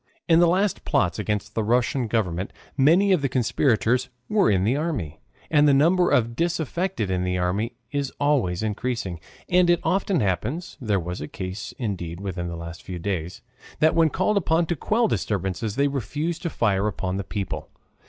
In the last plots against the Russian Government many of the conspirators were in the army. And the number of the disaffected in the army is always increasing. And it often happens (there was a case, indeed, within the last few days) that when called upon to quell disturbances they refuse to fire upon the people.